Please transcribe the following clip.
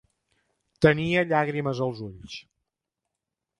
Tenia llàgrimes als ulls.